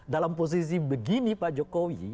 dalam posisi begini pak jokowi